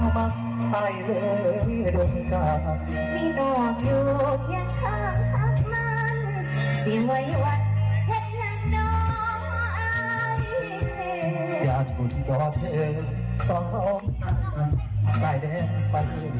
ฟันอิงเลยครับ